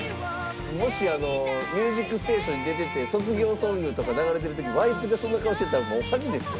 もし『ミュージックステーション』に出てて卒業ソングとか流れてる時にワイプでそんな顔してたらもう恥ですよ。